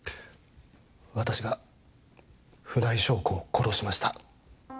私が船井翔子を殺しました。